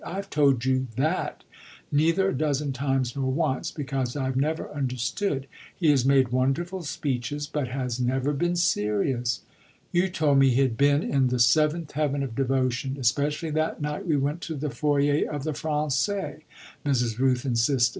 "I've told you that neither a dozen times nor once, because I've never understood. He has made wonderful speeches, but has never been serious." "You told me he had been in the seventh heaven of devotion, especially that night we went to the foyer of the Français," Mrs. Rooth insisted.